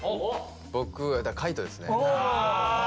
僕海人ですね。